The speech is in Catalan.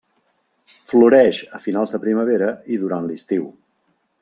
Floreix a finals de primavera i durant l'estiu.